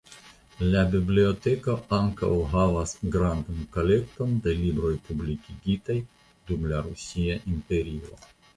La biblioteko ankaŭ havas grandan kolekton de libroj publikigitaj dum la Rusia Imperio.